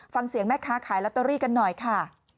ฟังเสียงแม่ค้าขายลอตเตอรี่กันหน่อยค่ะ